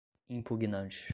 impugnante